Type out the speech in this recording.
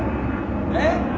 えっ？